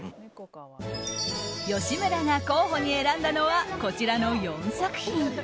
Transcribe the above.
吉村が候補に選んだのはこちらの４作品。